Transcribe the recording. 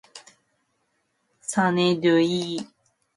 사내들이 손에 핸드폰 쥐고 뭐 하는 거 꼴 보기 싫다고 문자 하는 거 아예 못하던 사람인데